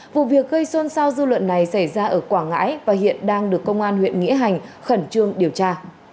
vụ việc gây xôn xao dư luận này xảy ra ở quảng ngãi và hiện đang được công an huyện nghĩa hành khẩn trương điều tra